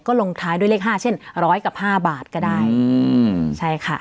ลงท้ายด้วยเลขห้าเช่นร้อยกับห้าบาทก็ได้อืมใช่ค่ะ